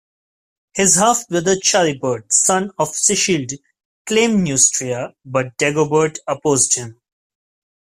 His half-brother Charibert, son of Sichilde, claimed Neustria but Dagobert opposed him.